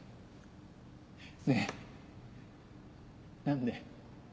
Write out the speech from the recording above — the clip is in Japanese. ねぇ何で？